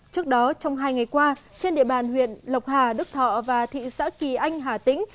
trước đó trong hai ngày qua trên địa bàn huyện lộc hà đức thọ và thị xã kỳ anh hà tĩnh